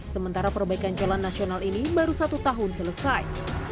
sementara perbaikan jalan nasional ini baru satu tahun selesai